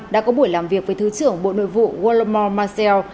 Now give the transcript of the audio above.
đã có buổi làm việc với thứ trưởng bộ nội vụ guillermo marcel